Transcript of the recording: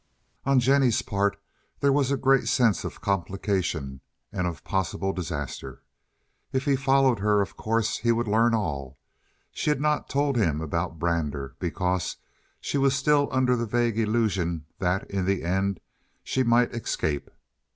On Jennie's part there was a great sense of complication and of possible disaster. If he followed her of course he would learn all. She had not told him about Brander, because she was still under the vague illusion that, in the end, she might escape.